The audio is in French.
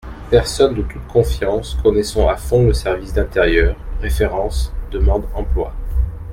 Personne de toute confiance, connaissant à fond le service d'intérieur, références, demande emploi.